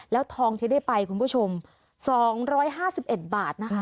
แล้วทองที่ได้ไปคุณผู้ชม๒๕๑บาทนะคะ